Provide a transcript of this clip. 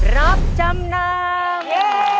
รับจำนำ